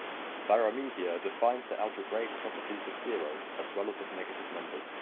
Varahmihir defined the algebraic properties of zero as well as of negative numbers.